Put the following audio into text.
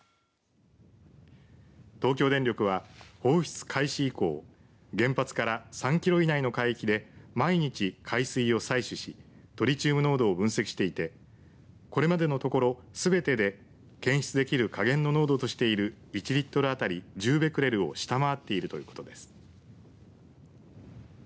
東京電力は放出開始以降原発から３キロ以内の海域で毎日、海水を採取しトリチウム濃度を分析していてこれまでのところ、すべてで検出できる下限の濃度としている１リットル当たり１０ベクレルを下回っているということです。